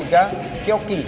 yang ketiga kyoki